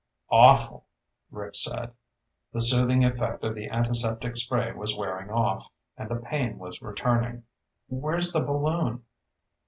"Awful," Rick said. The soothing effect of the antiseptic spray was wearing off and the pain was returning. "Where's the balloon?"